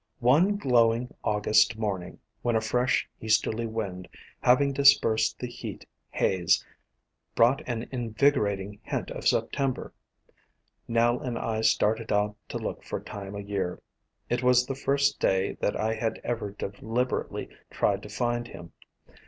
One glowing August morning, when a fresh easterly wind, having dispersed the heat haze, brought an invigorating hint of September, Nell and I started out to look for Time o' Year. It was the first day that I had ever deliberately tried to find him.